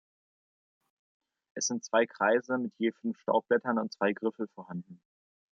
Es sind zwei Kreise mit je fünf Staubblättern und zwei Griffel vorhanden.